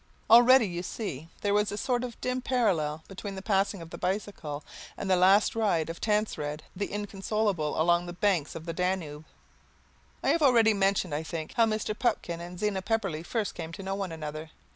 Already, you see, there was a sort of dim parallel between the passing of the bicycle and the last ride of Tancred the Inconsolable along the banks of the Danube. I have already mentioned, I think, how Mr. Pupkin and Zena Pepperleigh first came to know one another.